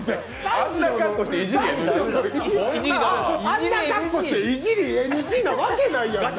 あんな格好していじりＮＧなわけじゃない。